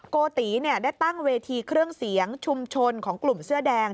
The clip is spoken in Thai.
โกติได้ตั้งเวทีเครื่องเสียงชุมชนของกลุ่มเสื้อแดง